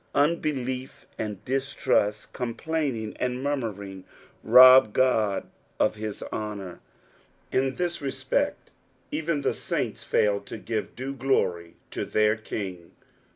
Unbelief and diatnist, com plaininK aud niurmuring, rob God ,of hia hoDOur ; in thia reBocct. even Cbe Bainto foil to give due glory to tlieir King.